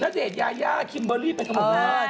นาเจษยาย่าคิมเบอร์รี่ไปทั้งหมด